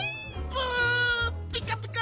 プピカピカ